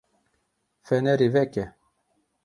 Fenerê veke.